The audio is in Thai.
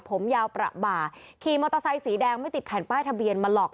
ผมยาวประบ่าขี่มอเตอร์ไซค์สีแดงไม่ติดแผ่นป้ายทะเบียนมาหลอก